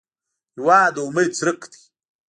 هېواد د امید څرک دی.